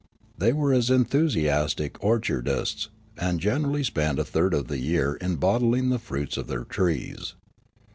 They were as enthusiastic orchardists, and gener ally spent a third of the year in bottling the fruits of their trees.